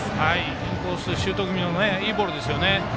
インコースシュート気味のいいボールですね。